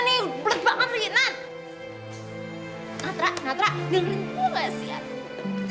nanti gue kasih atur